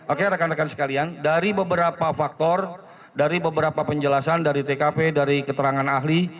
oke rekan rekan sekalian dari beberapa faktor dari beberapa penjelasan dari tkp dari keterangan ahli